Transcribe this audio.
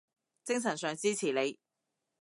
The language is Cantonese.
精神上支持你